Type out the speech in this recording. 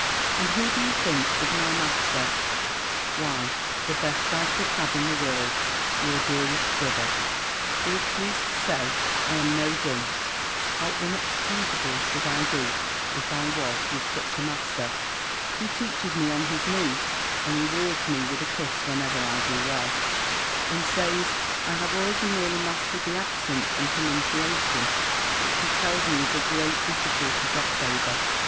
And who, do you think, is my master? Why, the best I could have in the world, your dearest brother, who is pleased to say, I am no dunce: how inexcusable should I be, if I was, with such a master, who teaches me on his knee, and rewards me with a kiss whenever I do well, and says, I have already nearly mastered the accent and pronunciation, which he tells me is a great difficulty got over.